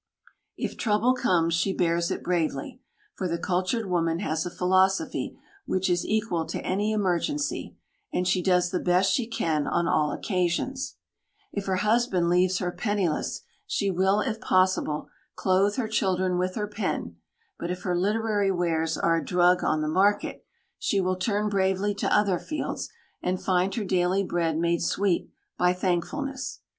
If trouble comes, she bears it bravely, for the cultured woman has a philosophy which is equal to any emergency, and she does the best she can on all occasions. If her husband leaves her penniless, she will, if possible, clothe her children with her pen, but if her literary wares are a drug on the market, she will turn bravely to other fields, and find her daily bread made sweet by thankfulness.